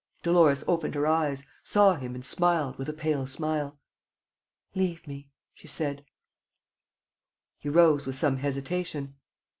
Dolores opened her eyes, saw him and smiled, with a pale smile: "Leave me," she said: He rose, with some hesitation.